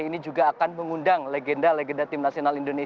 yang terakhir adalah yang terakhir